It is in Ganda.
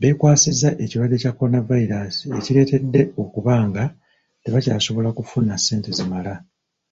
Beekwasizza ekirwadde kya Kolonavayiraasi ekireetedde okuba nga tebakyasobola kufuna sente zimala.